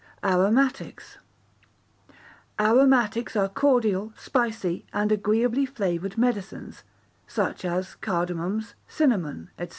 Aromatics Aromatics are cordial, spicy, and agreeably flavoured, medicines, such as cardamoms, cinnamon, &c.